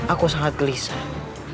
aku sangat gelisah